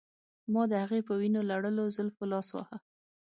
ما د هغې په وینو لړلو زلفو لاس واهه